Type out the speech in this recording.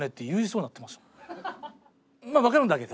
「まあ分かるんだけど」